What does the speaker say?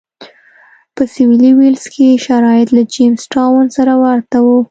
په سوېلي ویلز کې شرایط له جېمز ټاون سره ورته و.